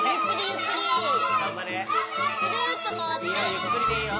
ゆっくりでいいよ。